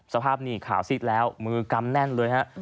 สภาพนี้ขาวสิทธิ์แล้วมือกำแน่นเลยครับ